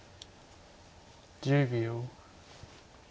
１０秒。